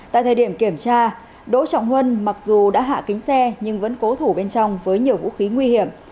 tại thời điểm kiểm tra đỗ trọng huân mặc dù đã hạ kính xe nhưng vẫn cố thủ bên trong với nhiều vũ khí nguy hiểm